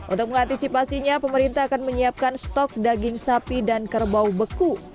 untuk mengantisipasinya pemerintah akan menyiapkan stok daging sapi dan kerbau beku